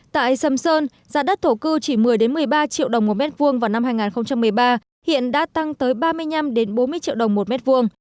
tại sầm sơn giá đất thổ cư chỉ một mươi một mươi ba triệu đồng một mét vuông vào năm hai nghìn một mươi ba hiện đã tăng tới ba mươi năm bốn mươi triệu đồng một mét vuông